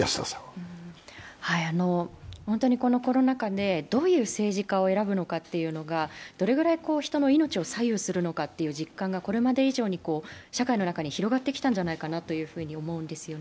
このコロナ禍でどういう政治家を選ぶかというのがどれぐらい人の命を左右するのかという実感がこれまで以上に社会の中に広がってきたんじゃないかと思うんです。